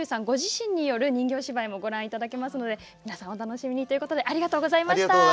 ご自身による人形芝居もご覧いただきますので皆さんお楽しみにということでありがとうございました。